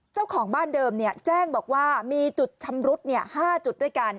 เจ้าของบ้านเดิมแจ้งบอกว่ามีจุดชำรุด๕จุดด้วยกัน